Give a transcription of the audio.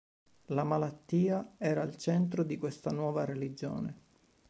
La malattia era al centro di questa nuova religione.